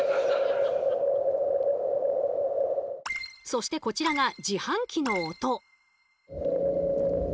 そしてこちらが自販機の音。